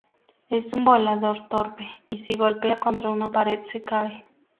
Es un volador torpe, y si golpea contra una pared se cae.